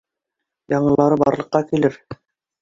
— Яңылары барлыҡҡа килер